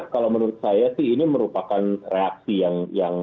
kalau menurut saya sih ini merupakan reaksi yang